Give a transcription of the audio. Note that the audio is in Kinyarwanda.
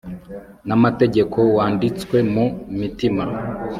n'amategeko wanditswe mu mitima